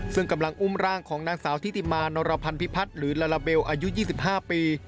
ซึ่งกำลังอุ้มร่างของนางสาวทิติมานรพันธิพัฒน์หรือลาลาเบลอายุ๒๕ปี